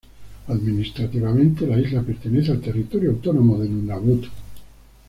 Administrativamente, la isla pertenece al territorio autónomo de Nunavut.